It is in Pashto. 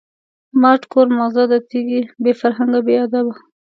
ماټ کور ماغزه د تیږی، بی فرهنگه بی ادبه